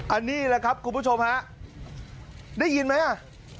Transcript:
อันนี้แหละครับคุณผู้ชมฮะได้ยินไหมอ่ะ